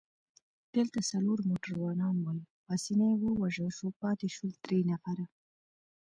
دلته څلور موټروانان ول، پاسیني ووژل شو، پاتې شول درې نفره.